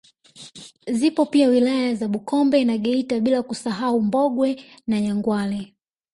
Zipo pia wilaya za Bukombe na Geita bila kusahau Mbogwe na Nyangwale